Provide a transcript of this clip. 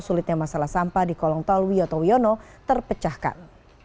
sulitnya masalah sampah di kolong tol wiyoto wiono terpecahkan